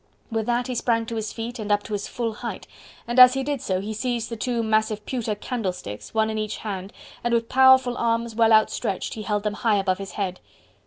With that he sprang to his feet and up to his full height, and as he did so he seized the two massive pewter candlesticks, one in each hand, and with powerful arms well outstretched he held them high above his head.